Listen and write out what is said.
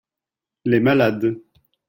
les malades.